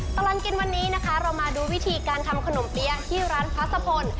ตลอดกินวันนี้นะคะเรามาดูวิธีการทำขนมเปี๊ยะที่ร้านพัสพล